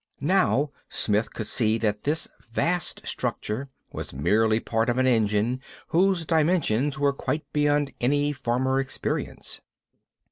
Now Smith could see that this vast structure was merely part of an engine whose dimensions were quite beyond any former experience.